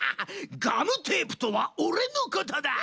ガムテープとはオレのことだ！